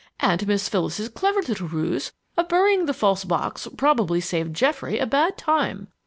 And Miss Phyllis's clever little ruse of burying the false box probably saved Geoffrey a bad time.